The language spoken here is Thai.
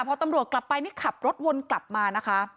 พอตำรวจกลับไปนี่ขับรถวนกลับมานะคะ